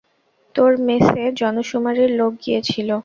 তোর মেসে জনশুমারির লোক গিয়েছিলো?